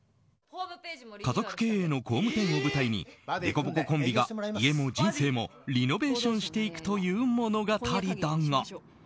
家族経営の工務店を舞台にでこぼこコンビが、家も人生もリノベーションしていくという物語だが。